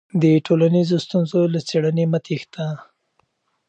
د ټولنیزو ستونزو له څېړنې مه تېښته.